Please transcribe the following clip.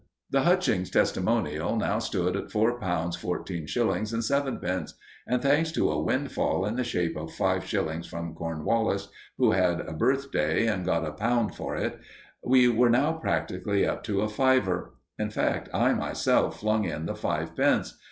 The Hutchings Testimonial now stood at four pounds fourteen shillings and sevenpence; and thanks to a windfall in the shape of five shillings from Cornwallis, who had a birthday and got a pound for it, we were now practically up to a fiver. In fact, I myself flung in the fivepence.